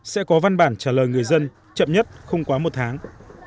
sẽ có văn bản trả lời người dân chậm nhất không quá một tháng